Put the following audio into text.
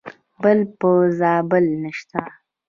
بل په زابل نشته .